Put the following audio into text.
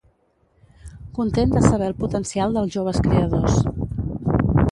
Content de saber del potencial dels joves creadors.